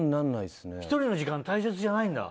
１人の時間大切じゃないんだ。